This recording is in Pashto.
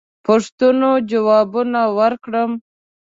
پوښتنو جوابونه ورکړم.